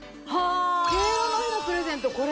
敬老の日のプレゼントこれ。